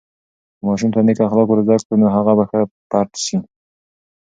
که ماشوم ته نیک اخلاق ورزده کړو، نو هغه به ښه فرد سي.